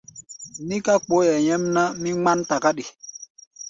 Níká kpooʼɛ nyɛ́mná, mí ŋmán takáɗi.